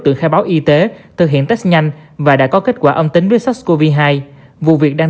tự khai báo y tế thực hiện test nhanh và đã có kết quả âm tính với sars cov hai vụ việc đang